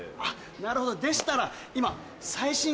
なるほどでしたら今。